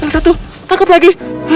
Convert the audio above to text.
yang satu tangkap lagi